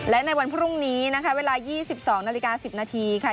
และในวันพรุ่งนี้นะคะเวลา๒๒นาฬิกา๑๐นาทีค่ะ